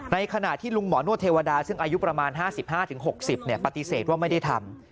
ในขณะที่ลุงหมอนวดเทวดาซึ่งอายุประมาณ๕๕๖๐ปฏิเสธว่าไม่ได้ทำ